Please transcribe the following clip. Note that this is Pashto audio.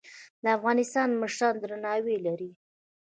د افغانستان مشران درناوی لري